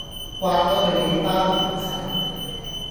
摑左佢幾巴都唔醒